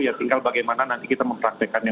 ya tinggal bagaimana nanti kita mempraktekannya